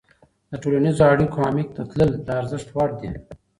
د ټولنیزو اړیکو عمیق ته تلل د ارزښت وړ دي.